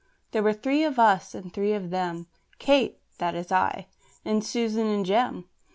There were three of us, and three of them; Kate, that is I, and Susan, and Jem.